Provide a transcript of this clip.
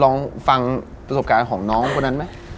ลองฟังประสบการณ์ของน้องคนนั้นไหม